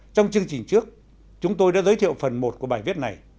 trong chương trình trước chúng tôi đã giới thiệu phần một của bài viết này